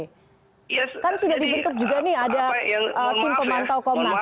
kan sudah dibentuk juga nih ada tim pemantau komnas